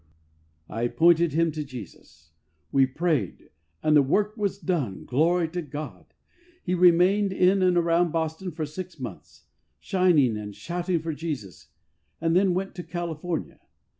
I pointed him to Jesus. We prayed, and the work was done. Glory to God I He remained in and around Boston for six months, shining and shouting for Jesus, and then went to California.